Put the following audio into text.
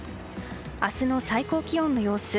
明日の最高気温の様子。